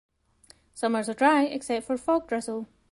Summers are dry except for fog drizzle.